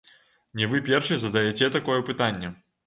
Не вы першая задаяце такое пытанне.